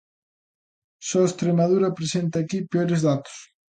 Só Estremadura presenta aquí peores datos.